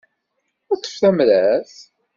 Ṭṭef tamrart.